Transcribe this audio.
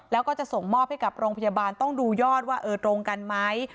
แล้วก็จะส่งมอบให้กับโรงพยาบาลต้องดูยอดว่าตรงกันไหม